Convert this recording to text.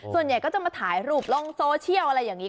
ส่วนใหญ่ก็จะมาถ่ายรูปลงโซเชียลอะไรอย่างนี้